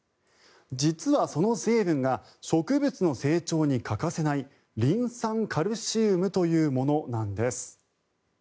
実はその成分が植物の成長に欠かせないリン酸カルシウムというものなんです。